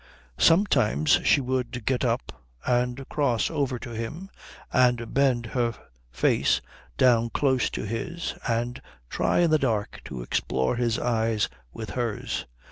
Sometimes she would get up and cross over to him and bend her face down close to his and try in the dark to explore his eyes with hers.